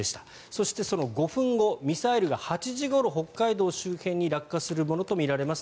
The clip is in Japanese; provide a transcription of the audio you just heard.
そして、その５分後ミサイルが８時ごろ北海道周辺に落下するものとみられます